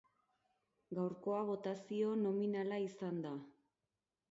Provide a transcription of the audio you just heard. Gaurkoa botazio nominala izan da.